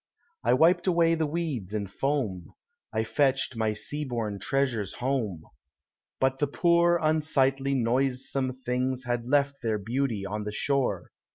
1 wiped away the weeds and foam, I fetched my sea born treasures home) lint the poor, unsightly, noisome things Had left their beauty on the shore.